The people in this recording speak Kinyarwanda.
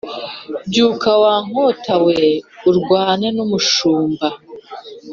Byuka wa nkota we urwane n’umushumba